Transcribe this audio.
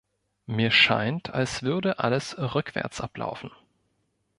Mir scheint, als würde alles rückwärts ablaufen.